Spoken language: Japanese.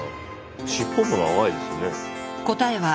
尻尾も長いですね。